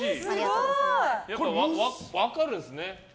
分かるんですね。